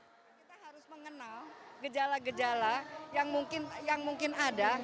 kita harus mengenal gejala gejala yang mungkin ada